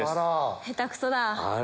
下手くそだ。